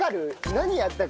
何やったか。